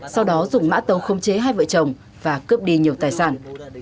sau đó dùng mã tấu không chế hai vợ chồng và cướp đi nhiều tài sản